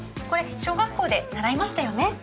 これ小学校で習いましたよね？